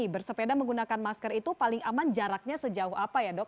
bersepeda menggunakan masker itu paling aman jaraknya sejauh apa ya dok